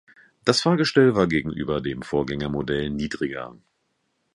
Das Fahrgestell war gegenüber dem Vorgängermodell niedriger.